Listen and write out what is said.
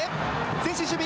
前進守備。